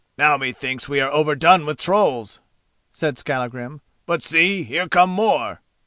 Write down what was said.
"Now methinks we are overdone with trolls," said Skallagrim; "but see! here come more."